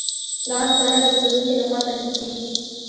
دغه سند د پلورونکي له خوا ترتیب کیږي.